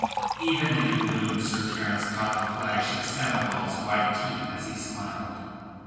Even in the gloom Sir Terence caught the flash of Samoval's white teeth as he smiled.